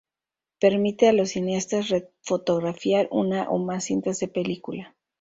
Permite a los cineastas re-fotografiar una o más cintas de película.